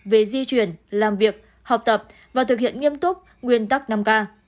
về di chuyển làm việc học tập và thực hiện nghiêm túc nguyên tắc năm k